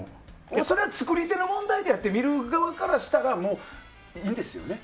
それは作り手の問題であって見る側からしたらもういいんですよね？